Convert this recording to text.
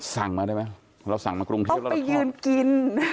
สั่งมาได้ไหมเราสั่งมากรุงเทพเราต้องไปยืนกิน